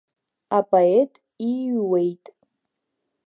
Апоет ииҩуеит…